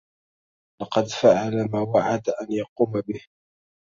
لقد فعل ما وعد ان يقوم به